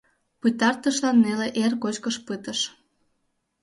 Пытартышлан неле эр кочкыш пытыш.